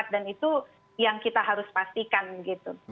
dan itu yang kita harus pastikan gitu